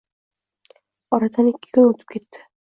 Oradan ikki kun o‘tibketdi.